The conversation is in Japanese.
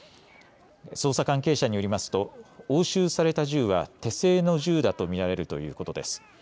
捜査関係者によりますと押収された銃は手製の銃だと見られるということです。